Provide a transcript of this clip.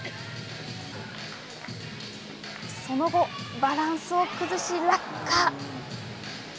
その後、バランスを崩し落下。